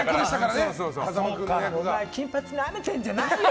金八なめてんじゃないよ！